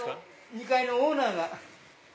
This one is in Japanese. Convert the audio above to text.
２階のオーナーが。